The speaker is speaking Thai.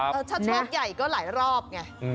แล้วถ้าชอบใหญ่ก็หลายรอบไง